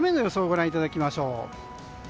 ご覧いただきましょう。